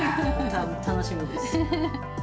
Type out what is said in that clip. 楽しみです。